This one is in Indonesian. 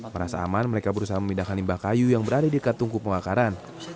merasa aman mereka berusaha memindahkan limbah kayu yang berada di dekat tungku pembakaran